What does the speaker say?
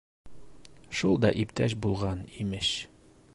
Шул да иптәш булған, имеш.